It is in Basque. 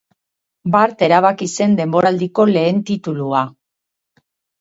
Bart erabaki zen denboraldiko lehen titulua.